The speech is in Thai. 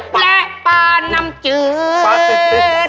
และปลาน้ำเจือด